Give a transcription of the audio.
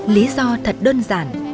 lý do thật đơn giản